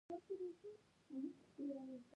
د افغانستان په جغرافیه کې ولایتونه اهمیت لري.